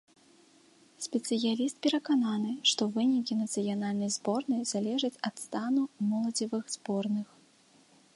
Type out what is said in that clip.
Спецыяліст перакананы, што вынікі нацыянальнай зборнай залежаць ад стану моладзевых зборных.